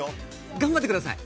◆頑張ってください。